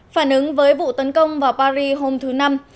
phản ứng với vụ tấn công vào paris hôm thứ năm